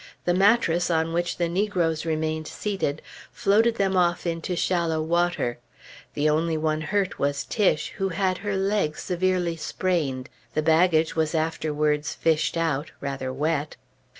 The mattress on which the negroes remained seated floated them off into shallow water. The only one hurt was Tiche, who had her leg severely sprained. The baggage was afterwards fished out, rather wet.